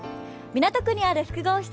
港区にある複合施設